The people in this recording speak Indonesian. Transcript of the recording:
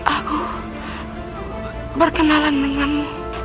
aku berkenalan denganmu